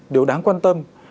điều đáng quan tâm